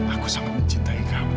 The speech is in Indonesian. aku sangat mencintai kamu